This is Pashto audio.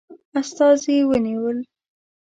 استازي ونیول.